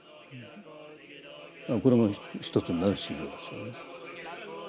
これも一つになる修行ですよね。